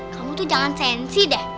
kamu tuh jangan sensi dah